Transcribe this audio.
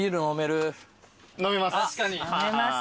飲めます。